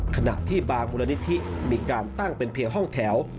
ขณะที่บางมูลนิธิมีการตั้งเป็นเพียงห้องแถว